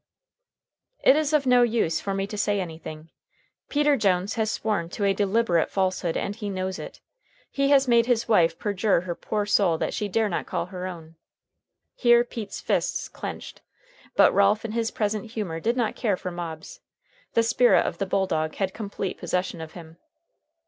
"It's of no use for me to say anything. Peter Jones has sworn to a deliberate falsehood, and he knows it. He has made his wife perjure her poor soul that she dare not call her own." Here Pete's fists clenched, but Ralph in his present humor did not care for mobs. The spirit of the bulldog had complete possession of him.